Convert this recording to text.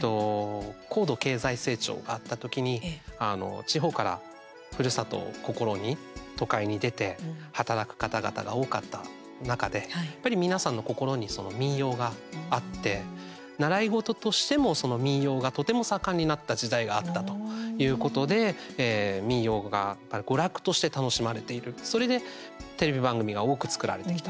高度経済成長があった時に地方からふるさとを心に都会に出て働く方々が多かった中でやっぱり皆さんの心に民謡があって、習い事としても民謡が、とても盛んになった時代があったということで民謡が娯楽として楽しまれているそれでテレビ番組が多く作られてきた。